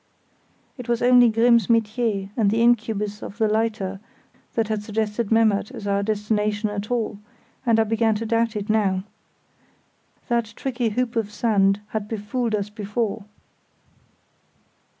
It was only Grimm's métier and the incubus of the lighter that had suggested Memmert as our destination at all, and I began to doubt it now. That tricky hoop of sand had befooled us before.